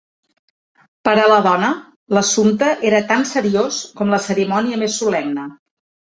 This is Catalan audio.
Per a la dona, l'assumpte era tan seriós com la cerimònia més solemne.